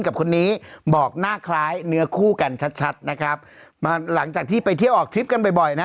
คนนี้บอกหน้าคล้ายเนื้อคู่กันชัดชัดหลังจากที่ไปเที่ยวออกทริปกันบ่อยนะ